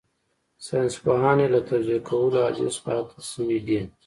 ساينسپوهان يې له توضيح کولو عاجز پاتې شوي دي.